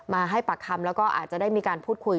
มาให้ปากคำแล้วก็อาจจะได้มีการพูดคุย